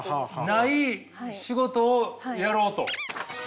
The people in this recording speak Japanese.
ない仕事をやろうと。